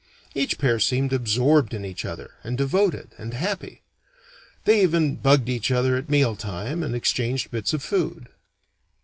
Each pair seemed absorbed in each other, and devoted and happy. They even bugged each other at mealtime and exchanged bits of food.